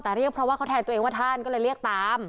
แต่เรียกเพราะว่าเขาแทนตัวเองว่าท่านก็เลยเรียกตาม